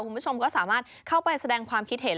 คุณผู้ชมก็สามารถเข้าไปแสดงความคิดเห็น